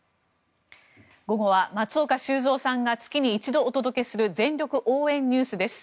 午後は松岡修造さんが月に一度お届けする全力応援ＮＥＷＳです。